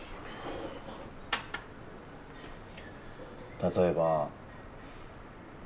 例えば。